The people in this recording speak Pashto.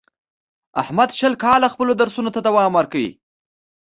احمد شل کاله خپلو درسونو ته دوام ورکړ.